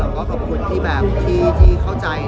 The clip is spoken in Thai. ก็ขอบคุณที่เข้าใจ